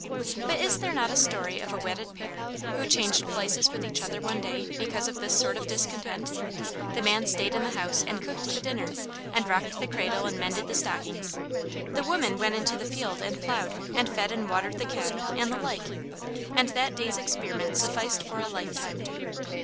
But is there not a story of a wedded pair who changed places with each other one day because of this sort of discontent ? The man staid in the house and cooked the dinner, and rocked the cradle and mended the stockings; the woman went into the field and ploughed, and fed and watered the cattle and the like. And that day's experiment sufficed for a lifetime."